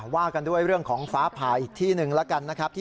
ว่ากันด้วยเรื่องของฟ้าผ่าอีกที่หนึ่งแล้วกันนะครับ